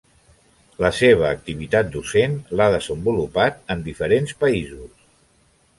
La seva activitat docent l'ha desenvolupat en diferents països.